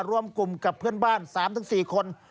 รวมกลุ่มกับเพื่อนบ้าน๓๔คน